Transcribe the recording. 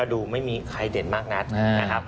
ดูไม่มีใครเด่นมากนัก